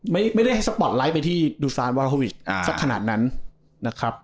ไม่ได้ให้สปอร์ตไลท์ไปที่ดูซานวาราโควิดสักขนาดนั้นนะครับ